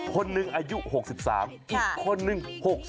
คนหนึ่งอายุ๖๓คนหนึ่ง๖๖